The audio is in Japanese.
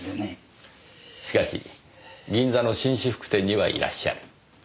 しかし銀座の紳士服店にはいらっしゃる。